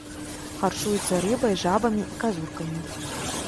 Харчуецца рыбай, жабамі і казуркамі.